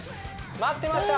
待ってました